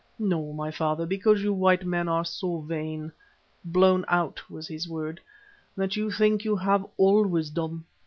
"No, my father, because you white men are so vain" ("blown out" was his word), "that you think you have all wisdom.